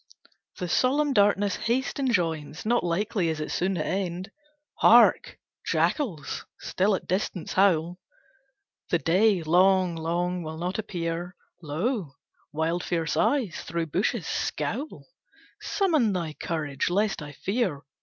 The solemn darkness haste enjoins, Not likely is it soon to end. Hark! Jackals still at distance howl, The day, long, long will not appear, Lo, wild fierce eyes through bushes scowl, Summon thy courage, lest I fear.